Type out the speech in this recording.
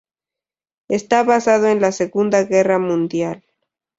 Está basado en la Segunda Guerra Mundial.